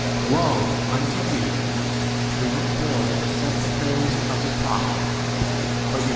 Woe unto you, for ye build the sepulchres of the prophets, but your fathers e T.